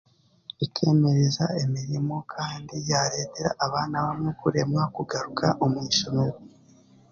Kikeemereza emirimo kandi yaareetera abaana abamwe kuremwa kugaruka omu ishomero.